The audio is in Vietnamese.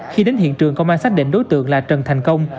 khi đến hiện trường công an xác định đối tượng là trần thành công